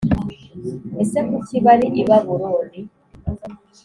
ese kuki bari i babuloni